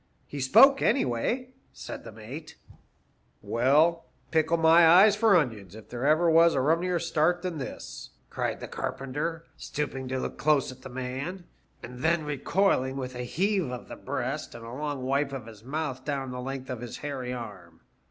"* He spoke, anyway,' said the mate. CAN TUESE DRY BONES LlVEl 263 Well, pickle my eyes for onions if there was ever a rnmmier start than this,' cried the carpenter, stooping to* look close at the man, and then recoiling with a heave of the breast and a long wipe of his mouth down the length of his hairy arm.